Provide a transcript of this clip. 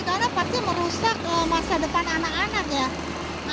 karena pasti merusak masa depan anak anak ya